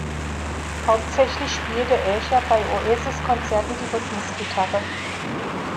Hauptsächlich spielte Archer bei Oasis-Konzerten die Rhythmusgitarre.